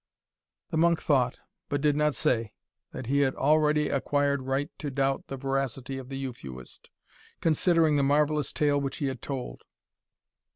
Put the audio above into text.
The monk thought, but did not say, that he had already acquired right to doubt the veracity of the Euphuist, considering the marvellous tale which he had told.